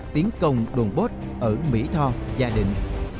tiến công đồn bốt ở mỹ tho gia định